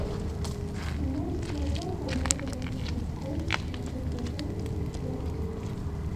На нашых вачах аднялі нашых бацькоў, нашых братоў і сясцёр.